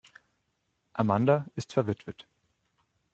Amanda ist verwitwet.